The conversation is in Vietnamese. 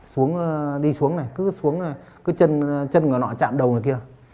xuống đi xuống này cứ xuống là chân ngựa nọ chạm đầu này kia